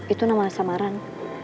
itu nama samaran